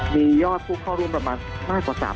มียอดผู้เข้ารุ่นประมาณมากกว่า๓๐๐๐๐ราย